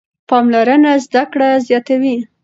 پاملرنه زده کړه زیاتوي.